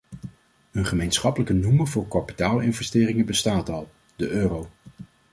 Een gemeenschappelijke noemer voor kapitaalinvesteringen bestaat al, de euro.